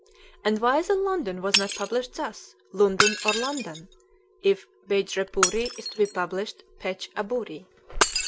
And why the London was not published thus: Lundun or Landan, if Bejrepuri is to be published P'etch' abury."